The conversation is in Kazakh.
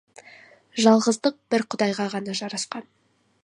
Жалғыздық бір Құдайға ғана жарасқан.